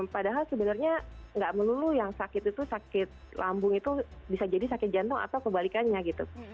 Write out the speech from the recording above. padahal sebenarnya nggak melulu yang sakit itu sakit lambung itu bisa jadi sakit jantung atau kebalikannya gitu